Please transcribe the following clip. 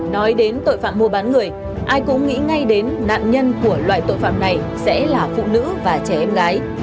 nói đến tội phạm mua bán người ai cũng nghĩ ngay đến nạn nhân của loại tội phạm này sẽ là phụ nữ và trẻ em gái